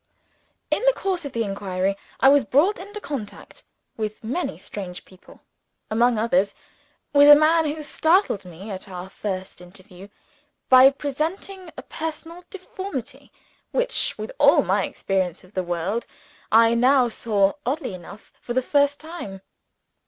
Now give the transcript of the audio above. In the course of the inquiry I was brought into contact with many strange people among others, with a man who startled me, at our first interview, by presenting a personal deformity, which, with all my experience of the world, I now saw oddly enough for the first time.